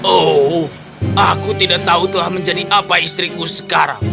oh aku tidak tahu telah menjadi apa istriku sekarang